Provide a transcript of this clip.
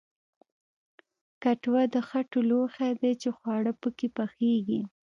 کټوه د خټو لوښی دی چې خواړه پکې پخیږي